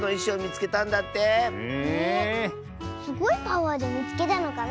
すごいパワーでみつけたのかな。